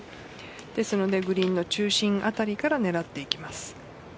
ですのでグリーンの中心辺りから狙っていきます。